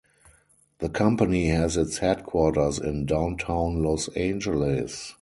The company has its headquarters in Downtown Los Angeles.